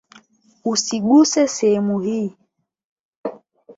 Usiguse sehemu hii.